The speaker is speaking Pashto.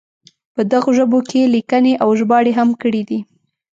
په دغو ژبو کې یې لیکنې او ژباړې هم کړې دي.